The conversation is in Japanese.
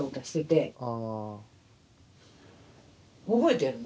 覚えてるの？